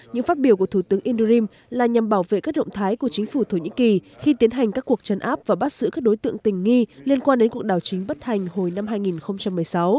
những phát biểu của thủ tướng indrim là nhằm bảo vệ các động thái của chính phủ thổ nhĩ kỳ khi tiến hành các cuộc trấn áp và bắt giữ các đối tượng tình nghi liên quan đến cuộc đảo chính bất hành hồi năm hai nghìn một mươi sáu